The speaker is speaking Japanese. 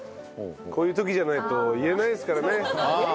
こういう時じゃないと言えないですからね。